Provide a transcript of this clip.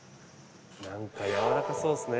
なんかやわらかそうっすね。